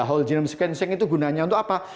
whole genome sequencing itu gunanya untuk apa